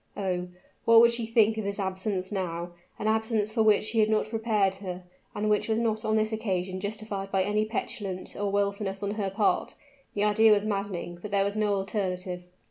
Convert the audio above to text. Oh! what would she think of his absence now? an absence for which he had not prepared her, and which was not on this occasion justified by any petulance or willfulness on her part? The idea was maddening, but there was no alternative.